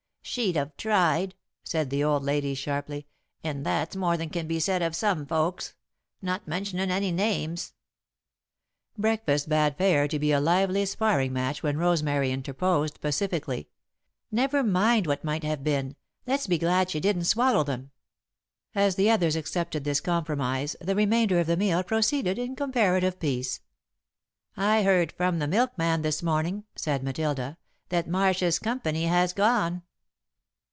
"She'd have tried," said the old lady, sharply, "and that's more than can be said of some folks. Not mentionin' any names." [Sidenote: A Bit of Gossip] Breakfast bade fair to be a lively sparring match when Rosemary interposed, pacifically: "Never mind what might have been. Let's be glad she didn't swallow them." As the others accepted this compromise, the remainder of the meal proceeded in comparative peace. "I heard from the milkman this morning," said Matilda, "that Marshs' company has gone."